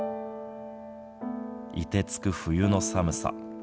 いてつく冬の寒さ。